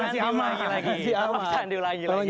jangan diulangi lagi